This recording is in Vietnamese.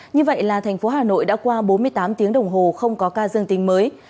như vậy là thành phố hà nội đã qua bốn mươi tám tiếng đồng hồ không có ca dương tính mới